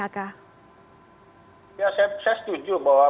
saya setuju bahwa